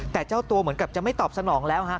แต่เจ้าตัวเหมือนกับจะไม่ตอบสนองแล้วฮะ